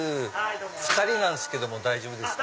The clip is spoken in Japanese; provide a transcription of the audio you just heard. ２人なんですけども大丈夫ですか？